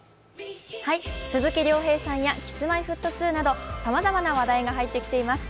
鈴木亮平さんや、Ｋｉｓ−Ｍｙ−Ｆｔ２などさまざまな話題が入ってきています。